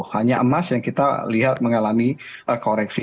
hanya emas yang kita lihat mengalami koreksi